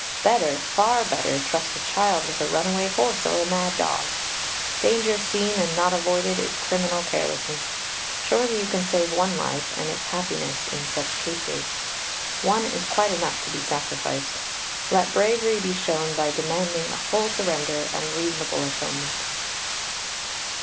Better, far better, trust a child with a runaway horse or a mad dog. Danger seen and not avoided is criminal carelessness. Surely you can save one life, and its happiness, in such cases. One is quite enough to be sacrificed. Let bravery be shown by demanding a full surrender and reasonable atonement.